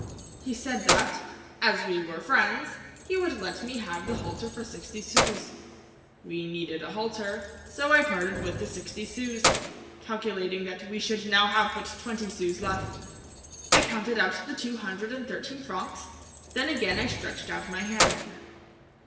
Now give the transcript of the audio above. He said that, as we were friends, he would let me have the halter for sixty sous. We needed a halter, so I parted with the sixty sous, calculating that we should now have but twenty sous left. I counted out the two hundred and thirteen francs, then again I stretched out my hand.